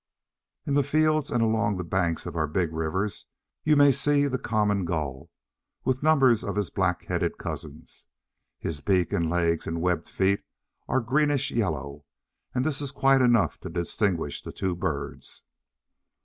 In the fields and along the banks of our big rivers you may see the Common Gull with numbers of his black headed cousins. His beak and legs and webbed feet are greenish yellow, and this is quite enough to distinguish the two birds.